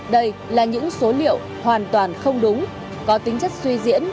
đây là những số liệu hoàn toàn không đúng có tính chất suy diễn